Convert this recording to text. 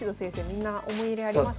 みんな思い入れありますよね。